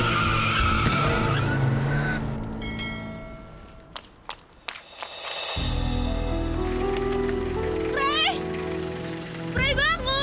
cepetan dong aku mau bawa selari ya